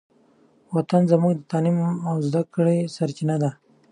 وطن زموږ د تعلیم او زدهکړې سرچینه ده.